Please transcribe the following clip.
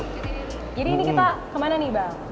jadi ini kita kemana nih bang